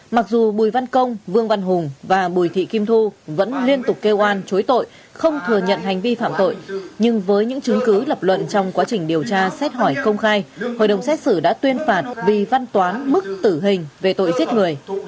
mặc dù bùi văn công vương văn hùng và bùi thị kim thu vẫn liên tục kêu oan chối tội không thừa nhận hành vi phạm tội nhưng với những chứng cứ lập luận trong quá trình điều tra xét hỏi công khai hội đồng xét xử đã tuyên phạt vì văn toán mức tử hình về tội giết người